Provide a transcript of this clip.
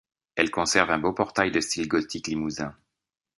Elle conserve un beau portail de style gothique limousin.